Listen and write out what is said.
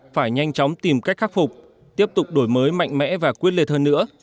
phải nhanh chóng tìm cách khắc phục tiếp tục đổi mới mạnh mẽ và quyết lệ thân nữa